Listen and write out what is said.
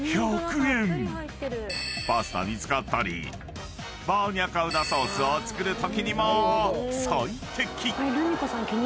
［パスタに使ったりバーニャカウダソースを作るときにも最適］